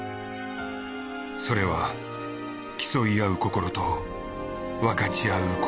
それは競い合う心と分かち合う心。